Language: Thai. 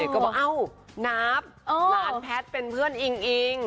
ก็เอ้านัพหลานแพทเป็นเพื่อนอิง